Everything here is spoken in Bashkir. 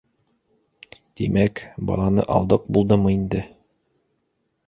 Тимәк, баланы алдыҡ булдымы инде?